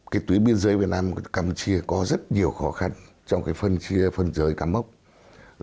cái tuyến biên giới việt nam campuchia có rất nhiều khó khăn trong cái phân chia phân giới campuchia